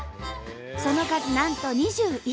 その数なんと２１種類！